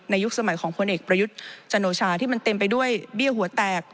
ยุคสมัยของพลเอกประยุทธ์จันโนชาที่มันเต็มไปด้วยเบี้ยหัวแตก